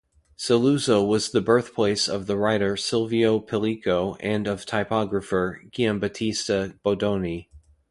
Saluzzo was the birthplace of the writer Silvio Pellico and of typographer Giambattista Bodoni.